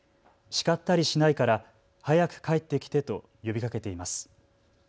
叱ったりしないから早く帰って来てと呼びかけています。